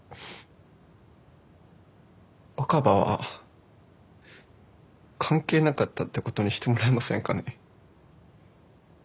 若葉は関係なかったって事にしてもらえませんかね？